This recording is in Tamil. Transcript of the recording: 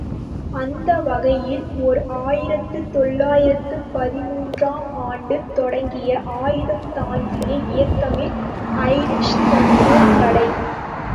அந்த வகையில் ஓர் ஆயிரத்து தொள்ளாயிரத்து பதிமூன்று ஆம் ஆண்டு தொடங்கிய ஆயுதம் தாங்கிய இயக்கமே ஐரிஷ் தொண்டர்படை.